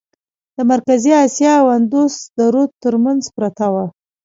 د مرکزي آسیا او اندوس د رود ترمنځ پرته وه.